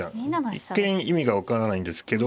一見意味が分からないんですけど。